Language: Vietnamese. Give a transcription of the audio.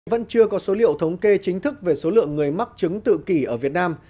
vẫn chưa có số liệu thống kê chính thức về số lượng người mắc chứng tự kỷ ở việt nam